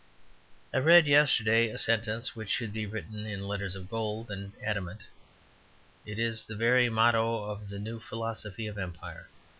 I read yesterday a sentence which should be written in letters of gold and adamant; it is the very motto of the new philosophy of Empire.